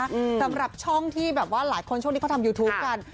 สำหรับช่องที่แบบว่าหลายคนช่วงนี้เขาทำยูทูปกัน